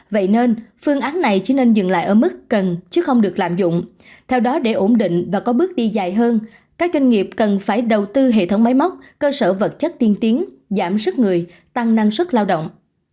vậy nên phương án này chỉ nên dừng lại ở mức cần chứ không được lạm dụng theo đó để ổn định và có bước đi dài hơn các doanh nghiệp cần phải đầu tư hệ thống máy móc cơ sở vật chất tiên tiến giảm sức người tăng năng suất lao động